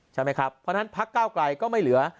ใช่ไหมครับเพราะฉะนั้นพักเก้าไกลก็ไม่เหลือ